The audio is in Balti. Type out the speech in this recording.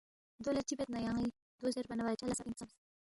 دو لہ چِہ بید نہ یان٘ی؟ دو زیربا نہ بادشاہ لہ سہ اِن خسمس